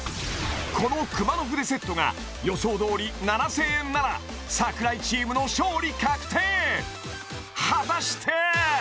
この熊野筆セットが予想どおり７０００円なら櫻井チームの勝利確定果たして？